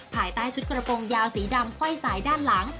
ภายใต้ชุดกระโปรงยาวสีดำไขว้สายด้านหลัง